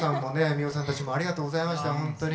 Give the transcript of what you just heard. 美央さんたちもありがとうございました本当に。